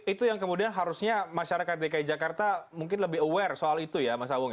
itu yang kemudian harusnya masyarakat dki jakarta mungkin lebih aware soal itu ya mas awung ya